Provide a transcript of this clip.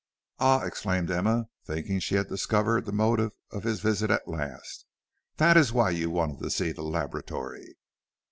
"Ah," exclaimed Emma, thinking she had discovered the motive of his visit at last; "that is why you wanted to see the laboratory."